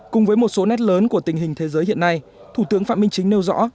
cùng với một số nét lớn của tình hình thế giới hiện nay thủ tướng phạm minh chính nêu rõ